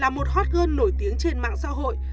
là một hot girl nổi tiếng trên mạng xã hội